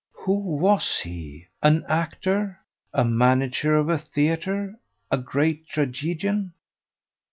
Who was he? an actor a manager of a theatre a great tragedian?